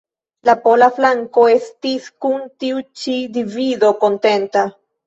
La pola flanko estis kun tiu ĉi divido kontenta.